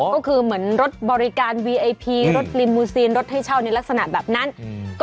ก็คือเหมือนรถบริการวีไอพีรถลิมมูซีนรถให้เช่าในลักษณะแบบนั้นอืม